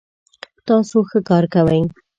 تاسو ښه کار کوئ